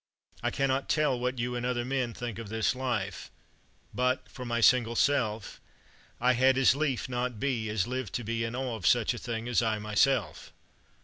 I cannot tell what you and other men Think of this life; but, for my single self, I had as lief not be, as live to be In awe of such a thing as I myself."